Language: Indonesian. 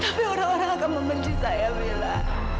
tapi orang orang akan membenci saya bilang